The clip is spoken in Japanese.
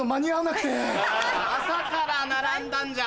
朝から並んだんじゃ。